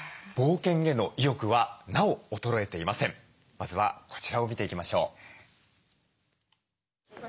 まずはこちらを見ていきましょう。